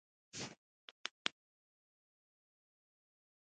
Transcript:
شرنګ د بنګړو، به و بیده سور وریښمین بالښت کي